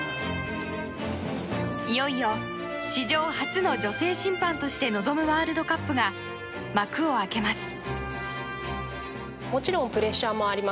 いよいよ史上初の女性審判として臨むワールドカップが幕を開けます。